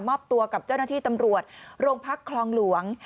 อบตัวกับเจ้าหน้าที่ตำรวจโรงพักคลองหลวง